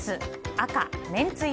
赤、めんつゆ。